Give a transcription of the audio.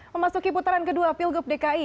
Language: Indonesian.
memasuki putaran kedua pilgub dki